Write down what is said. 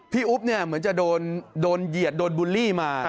พี่อุ๊ปเหมือนจะโดนเหยียดโดนบูลลี่มา